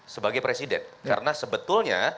sebagai presiden karena sebetulnya